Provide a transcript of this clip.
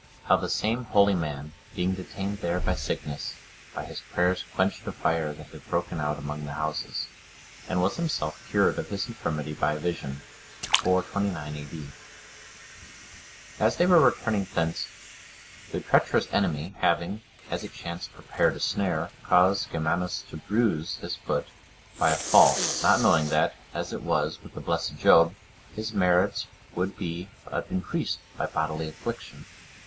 How the same holy man, being detained there by sickness, by his prayers quenched a fire that had broken out among the houses, and was himself cured of his infirmity by a vision. [429 A.D.] As they were returning thence, the treacherous enemy, having, as it chanced, prepared a snare, caused Germanus to bruise his foot by a fall, not knowing that, as it was with the blessed Job, his merits would be but increased by bodily affliction.